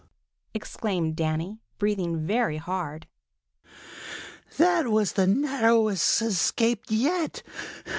exclaimed Danny, breathing very hard. "That was the narrowest escape yet!